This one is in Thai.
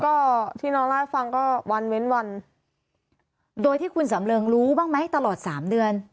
ก็ที่น้องเล่าให้ฟังก็วันเว้นวันโดยที่คุณสำเริงรู้บ้างไหมตลอดสามเดือน